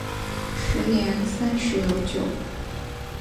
时年三十有九。